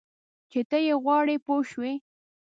چې ته یې غواړې پوه شوې!.